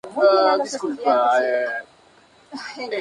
Además ha sido miembro de la Academia de la Lengua Maltesa.